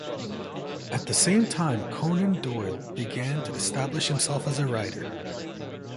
At the same time, Conan Doyle began to establish himself as a writer.